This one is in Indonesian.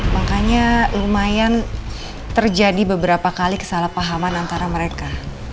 makanya lumayan terjadi beberapa kali kesalahpahaman antara mereka